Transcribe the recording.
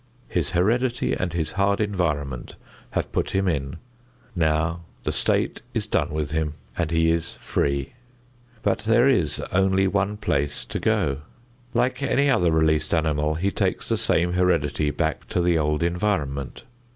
His heredity and his hard environment have put him in. Now the state is done with him; he is free. But there is only one place to go. Like any other released animal, he takes the same heredity back to the old environment.